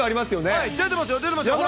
はい、出てますよ。